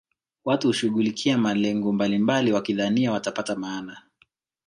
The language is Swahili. watu hushughulikia malengo mbalimbali wakidhania watapata maana